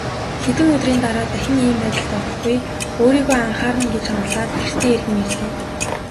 Хэдэн өдрийн дараа дахин ийм байдалд орохгүй, өөрийгөө анхаарна гэж амлаад гэртээ эргэн ирлээ.